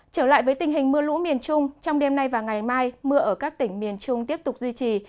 trở lại với tình hình mưa lũ miền trung trong đêm nay và ngày mai mưa ở các tỉnh miền trung tiếp tục duy trì